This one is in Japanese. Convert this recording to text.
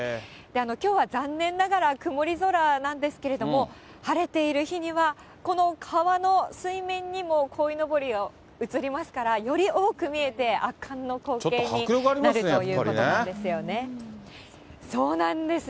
きょうは残念ながら曇り空なんですけれども、晴れている日にはこの川の水面にもこいのぼりが映りますから、より多く見えて圧巻の光景になるということなんですよね。